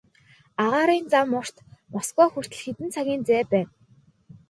Агаарын зам урт, Москва хүртэл хэдэн цагийн зай байна.